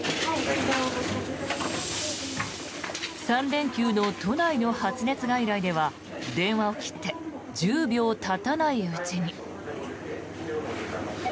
３連休の都内の発熱外来では電話を切って１０秒たたないうちに。